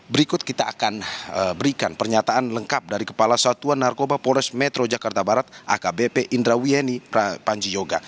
berikut kita akan berikan pernyataan lengkap dari kepala satuan narkoba polres metro jakarta barat akbp indra wieni prapanji yoga